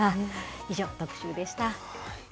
以上、特集でした。